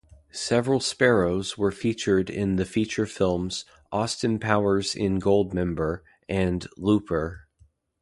Several Sparrows were featured in the feature films "Austin Powers in Goldmember" and "Looper".